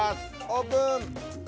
オープン！